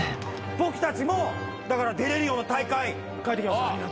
僕たちも出れるような大会書いてきました。